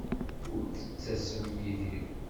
Ur d-ttasem yid-i?